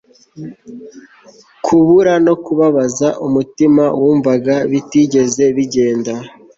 kubura no kubabaza umutima numvaga bitigeze bigenda